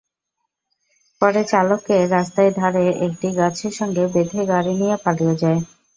পরে চালককে রাস্তার ধারে একটি গাছের সঙ্গে বেঁধে গাড়ি নিয়ে পালিয়ে যায়।